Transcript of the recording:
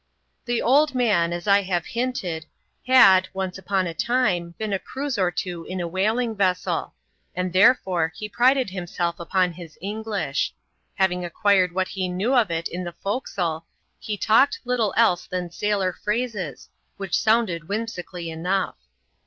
The old man, as I have hinted, had, once upon a time, been a cruise or two in a whaling vessel ; and, therefore, he prided ^umself upon his English. Having acquired what he knew of it in the forecastle, he talked little else than sailor phrases, which sonoded whimsically enough.